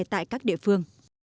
tại các địa phương